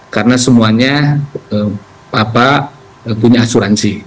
karena semuanya punya asuransi